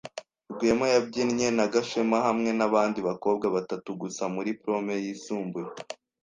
Rwema yabyinnye na Gashema hamwe nabandi bakobwa batatu gusa muri prome yisumbuye.